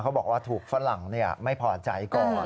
บอกว่าถูกฝรั่งไม่พอใจก่อน